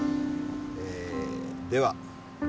えでは。